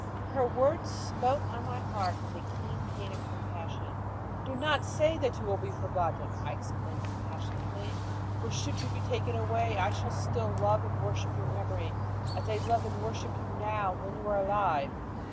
Her words smote on my heart with a keen pain of compassion. "Do not say that you will be forgotten!" I exclaimed passionately; "for should you be taken away, I shall still love and worship your memory, as I worship you now when you are alive."